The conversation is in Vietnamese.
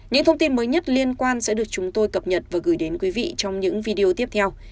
những thông tin mới nhất liên quan sẽ được chúng tôi cập nhật và gửi đến quý vị trong những video tiếp theo